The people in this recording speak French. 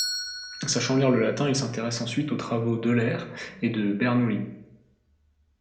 Sachant lire le latin, il s'intéresse ensuite aux travaux d'Euler et de Bernoulli.